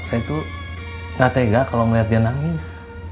saya tuh gak tega kalau melihat dia nangis